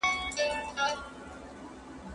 زه اجازه لرم چي مړۍ وخورم!.